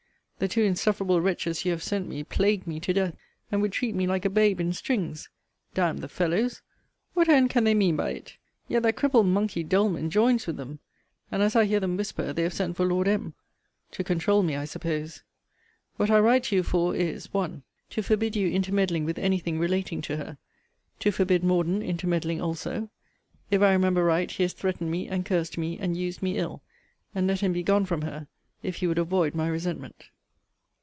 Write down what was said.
The two insufferable wretches you have sent me plague me to death, and would treat me like a babe in strings. D n the fellows, what end can they mean by it? Yet that crippled monkey Doleman joins with them. And, as I hear them whisper, they have sent for Lord M. to controul me, I suppose. What I write to you for is, 1. To forbid you intermeddling with any thing relating to her. To forbid Morden intermeddling also. If I remember right, he has threatened me, and cursed me, and used me ill and let him be gone from her, if he would avoid my resentment.